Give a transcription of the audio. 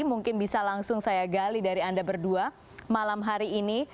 mungkin bisa langsung saya gali dari anda berdua malam hari ini